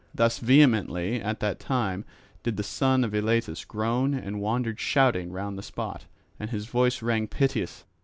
Thus vehemently at that time did the son of Eilatus groan and wandered shouting round the spot; and his voice rang piteous.